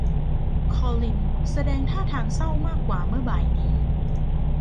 คอลินแสดงท่าทางเศร้ามากกว่าเมื่อบ่ายนี้